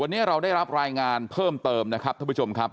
วันนี้เราได้รับรายงานเพิ่มเติมนะครับท่านผู้ชมครับ